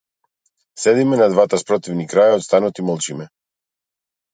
Седиме на двата спротивни краја од станот и молчиме.